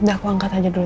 nggak aku angkat aja dulu